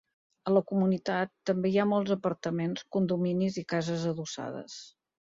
A la comunitat també hi ha molts apartaments, condominis i cases adossades.